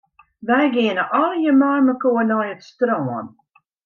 Wy geane allegear meimekoar nei it strân.